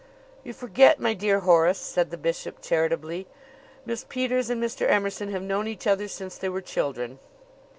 "You forget, my dear Horace," said the bishop charitably; "Miss Peters and Mr. Emerson have known each other since they were children."